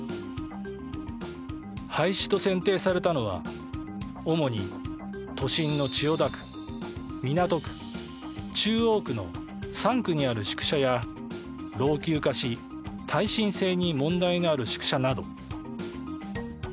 廃止と選定されたのは主に都心の千代田区、港区、中央区の３区にある宿舎や、老朽化し耐震性に問題のある宿舎など。